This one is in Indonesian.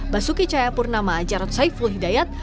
basuki cahayapurnama jarod saiful hidayat